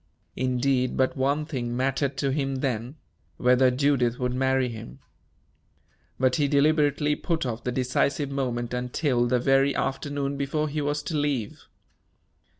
Indeed, but one thing mattered to him then whether Judith would marry him. But he deliberately put off the decisive moment until the very afternoon before he was to leave.